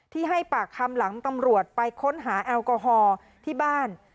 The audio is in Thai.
ให้ปากคำหลังตำรวจไปค้นหาแอลกอฮอล์ที่บ้าน